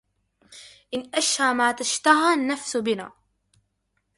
إن أشهى ما تشتهى النفس بنا